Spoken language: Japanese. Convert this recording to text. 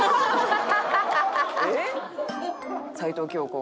えっ？